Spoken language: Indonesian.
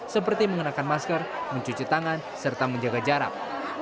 seperti mengenakan masker mencuci tangan serta menjaga jarak